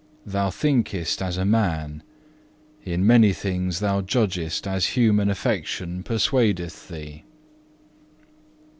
Thou thinkest as a man, in many things thou judgest as human affection persuadeth thee."